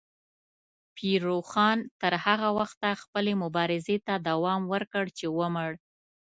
پیر روښان تر هغه وخته خپلې مبارزې ته دوام ورکړ چې ومړ.